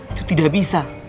itu tidak bisa